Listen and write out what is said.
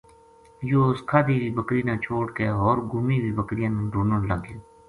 یوہ اُس کھادی وی بکری نا چھوڈ کے ہو ر گُمی وی بکریاں نا ڈُھونڈن لگ گیو